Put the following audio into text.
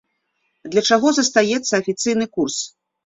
Для чаго застаецца афіцыйны курс?